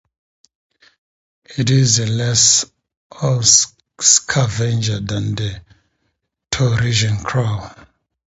It is less of a scavenger than the Torresian crow.